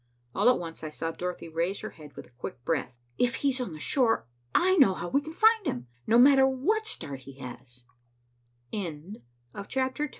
All at once I saw Dorothy raise her head with a quick breath. "If he's on the shore, I know how we can find him, no matter what start he h